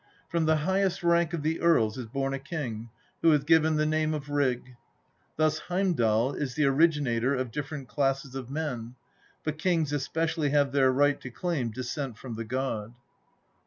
From the highest rank of the earls is born a king, who is given the name of Rig. Thus Heimdal is the originator of different classes ol men, but kings especially have their right to claim descent from the god.